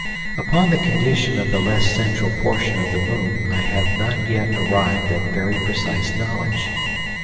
"Upon the condition of the less central portion of the moon I have not yet arrived at very precise knowledge.